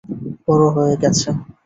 বড় হয়ে গেছে।